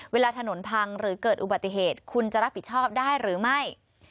เวลาถนนพังหรือเกิดอุบัติเหตุคุณจะรับผิดชอบได้หรือไม่